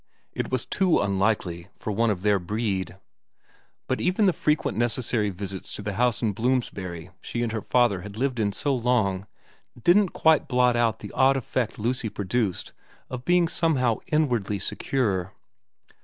It was too unlikely for one of their breed. But even the frequent necessary visits to the house in Bloomsbury she and her father had lived in so long didn't quite blot out the odd effect Lucy produced of being somehow inwardly secure.